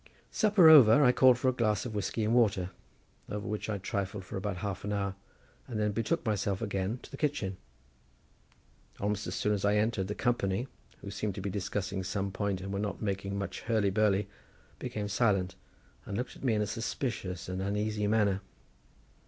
Supper over, I called for a glass of whiskey and water, over which I trifled for about half an hour and then betook myself again to the kitchen. Almost as soon as I entered, the company, who seemed to be discussing some point, and were not making much hurly burly, became silent and looked at me in a suspicious and uneasy manner.